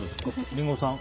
リンゴさん。